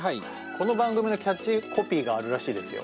この番組のキャッチコピーがあるらしいですよ。